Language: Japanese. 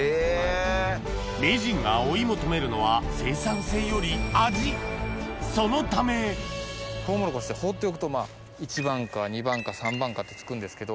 名人が追い求めるのはそのためトウモロコシって放っておくと一番果二番果三番果ってつくんですけど